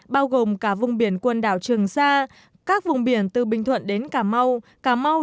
bao gồm cả vùng biển quần đảo trường sa các vùng biển từ bình thuận đến cà mau